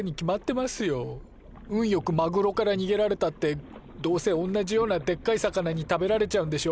運よくマグロからにげられたってどうせおんなじようなでっかい魚に食べられちゃうんでしょ？